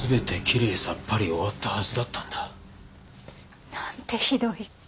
れいさっぱり終わったはずだったんだ。なんてひどい。